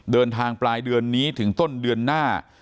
เดินทางปลายเดือนนี้ถึงต้นเดือนหน้า